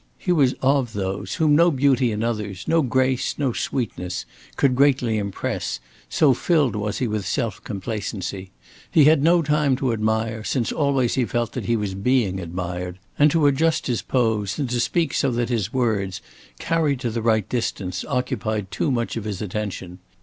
He was of those whom no beauty in others, no grace, no sweetness, could greatly impress, so filled was he with self complacency. He had no time to admire, since always he felt that he was being admired, and to adjust his pose, and to speak so that his words, carried to the right distance, occupied too much of his attention.